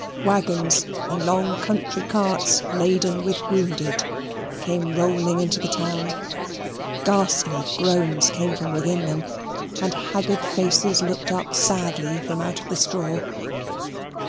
Wagons and long country carts laden with wounded came rolling into the town; ghastly groans came from within them, and haggard faces looked up sadly from out of the straw.